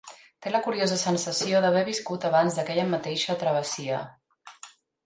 Té la curiosa sensació d'haver viscut abans aquella mateixa travessia.